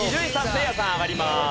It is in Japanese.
せいやさん上がります。